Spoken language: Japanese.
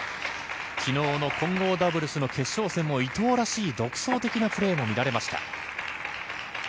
昨日の混合ダブルスの決勝戦も伊藤らしい独創的なプレーも見られました。